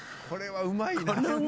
これはうまいな。